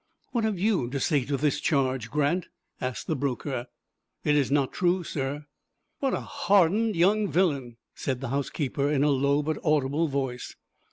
"What have you to say to this charge, Grant?" asked the broker. "It is not true, sir." "What a hardened young villain!" said the housekeeper, in a low, but audible voice.